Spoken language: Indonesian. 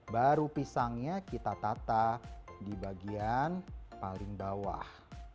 baru pisangnya kita tata di bagian paling bawah